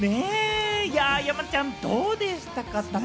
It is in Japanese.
山ちゃん、どうでしたか？